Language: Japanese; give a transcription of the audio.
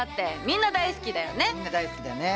みんな大好きだよね。